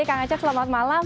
kang acep selamat malam